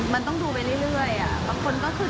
มันต้องดูไปเรื่อยอะ